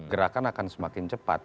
gerakan akan semakin cepat